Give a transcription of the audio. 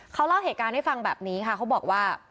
เขาเล่าเหตุการณ์ให้ฟังแบบนี้ค่ะเขาบอกว่า